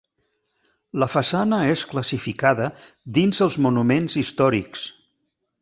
La façana és classificada dins els monuments històrics.